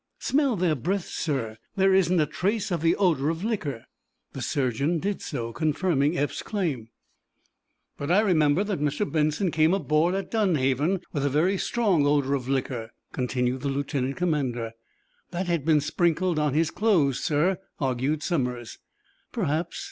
"Smell their breaths, sir. There isn't a trace of the odor of liquor." The surgeon did so, confirming Eph's claim. "But I remember that Mr. Benson came aboard, at Dunhaven, with a very strong odor of liquor," continued the lieutenant commander. "That had been sprinkled on his clothes, sir," argued Somers. "Perhaps.